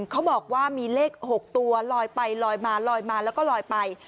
เขาบอกว่ามีเลข๖ตัวลอยไปลอยมาลอยมาแล้วก็ลอยไป